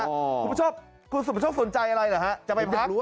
อ๋อผู้ประชบประชบสนใจอะไรหรอฮะจะไปพักพี่อยากรู้อ่ะ